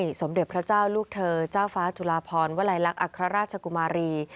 สมเด็จพระเจ้าลูกเธอเจ้าฟ้าจุลาพรวลัยลักษณ์อัครราชกุมารี